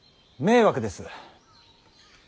迷惑です。